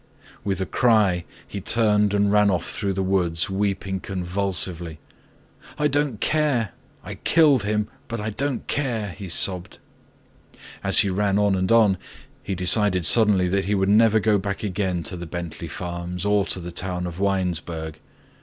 With a cry he turned and ran off through the woods weeping convulsively. "I don't care—I killed him, but I don't care," he sobbed. As he ran on and on he decided suddenly that he would never go back again to the Bentley farms or to the town of Winesburg.